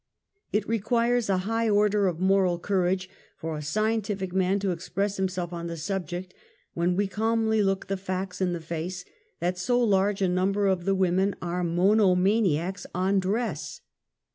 It requires a high order of moral courage for a sci entific man to express himself on the subject, when we calmly look the facts in the face, that so large a \number of the women are monomaniacs on dress